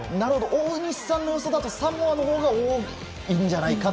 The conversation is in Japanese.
大西さんの予想だとサモアのほうが多いんじゃないかと。